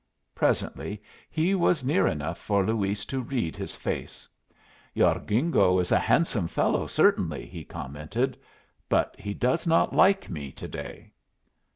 Presently he was near enough for Luis to read his face. "Your gringo is a handsome fellow, certainly," he commented. "But he does not like me to day."